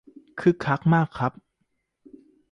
คึกคักมากครับ